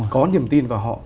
có niềm tin vào họ